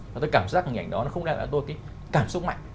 và tôi cảm giác hình ảnh đó không đeo lại cho tôi cảm xúc mạnh